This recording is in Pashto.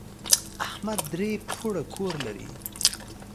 احمد درې پوړه کور لري.